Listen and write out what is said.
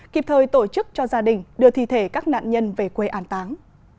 kịp thời tổ chức cho gia đình đưa thi thể các nạn nhân về quê an táng